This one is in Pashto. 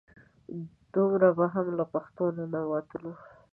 دومره به هم له پښتو نه نه وتلو.